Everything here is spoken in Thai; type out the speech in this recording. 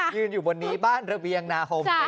ยืนอยู่บนนี้บ้านระเบียงนาโฮม